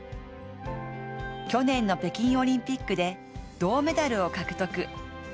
去年の北京オリンピックで銅メダルを獲得。